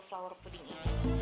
ini adalah produk pudingnya